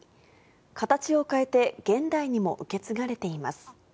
形を変えて現代にも受け継がれています。